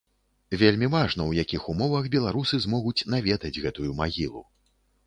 Вельмі важна ў якіх умовах беларусы змогуць наведаць гэтую магілу.